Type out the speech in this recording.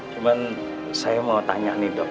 cuma saya mau tanya nih dok